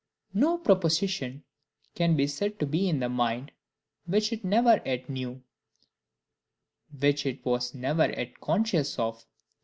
No proposition can be said to be in the mind which it never yet knew, which it was never yet conscious of.